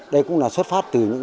đây cũng là xuất phát từ những